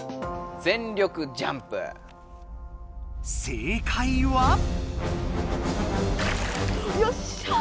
正解は？よっしゃ！